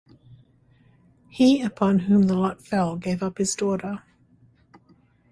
He upon whom the lot fell gave up his daughter.